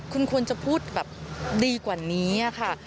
คุณควรจะพูดแบบดีกว่านี้ค่ะ